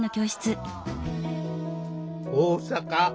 大阪。